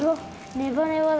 ネバネバだ。